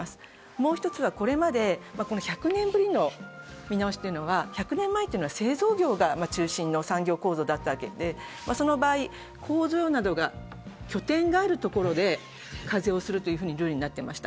もう１つは、１００年ぶりの見直しというのは、１００年前というのは製造業が中心の産業構造だったわけで、その場合、工場など、拠点があるところで課税するルールになっていました。